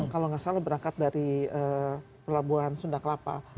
kalau tidak salah berangkat dari perlabuhan sunda kelapa